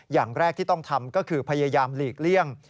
อย่างแรกที่ต้องทำก็คือพยายามหลีกเลี่ยง